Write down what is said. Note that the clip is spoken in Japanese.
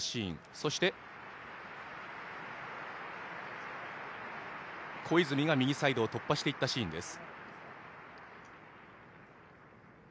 そして、小泉が右サイドを突破したシーンです。